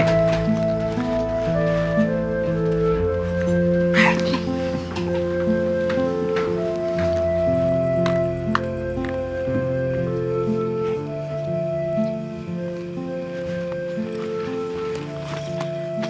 มา